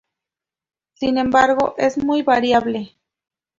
Sin embargo, es muy variable.